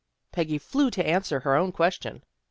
" Peggy flew to answer her own question.